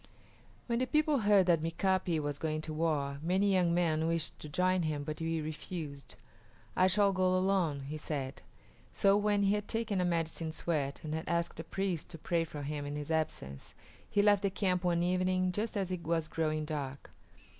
When the people heard that Mika´pi was going to war many young men wished to join him, but he refused. "I shall go alone," he said. So when he had taken a medicine sweat and had asked a priest to pray for him in his absence, he left the camp one evening, just as it was growing dark.